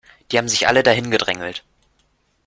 Die haben sich alle da hingedrängelt.